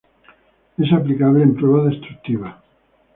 Es aplicable en pruebas destructivas.